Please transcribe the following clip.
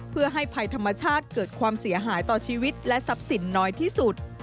เพื่อให้ภัยธรรมชาติเกิดความเสียหายต่อชีวิตและทรัพย์สินน้อยที่สุด